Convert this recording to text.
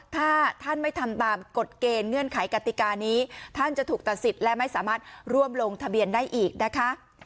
ถ้าท่านไม่ทำตามกฎเกณฑ์เงื่อนไขกติกานี้ท่านจะถูกตัดสิทธิ์และไม่สามารถร่วมลงทะเบียนได้อีกนะคะ